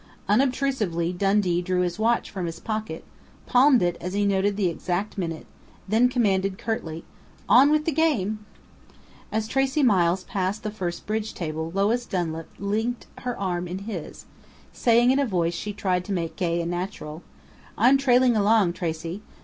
Unobtrusively, Dundee drew his watch from his pocket, palmed it as he noted the exact minute, then commanded curtly: "On with the game!" As Tracey Miles passed the first bridge table Lois Dunlap linked her arm in his, saying in a voice she tried to make gay and natural: "I'm trailing along, Tracey.